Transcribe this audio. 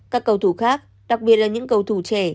các cầu thủ khác đặc biệt là những cầu thủ trẻ